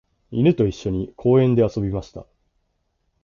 犬と一緒に公園で遊びました。